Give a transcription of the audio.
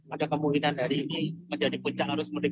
ada kemungkinan hari ini menjadi puncak arus mudik